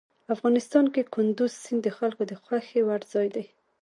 افغانستان کې کندز سیند د خلکو د خوښې وړ ځای دی.